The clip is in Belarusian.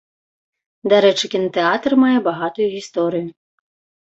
Дарэчы, кінатэатр мае багатую гісторыю.